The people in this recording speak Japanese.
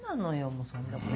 もうそんなこと。